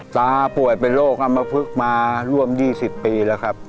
ตราป่วยเป็นโรคอำเภอโบคมาล่วมยี่สิบปีละครับ